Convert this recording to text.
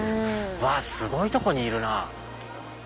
うわすごいとこにいるな。